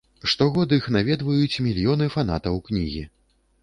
Штогод іх наведваюць мільёны фанатаў кнігі.